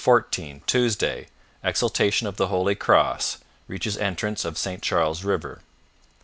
14 Tuesday Exaltation of the Holy Cross. Reaches entrance of St Charles River.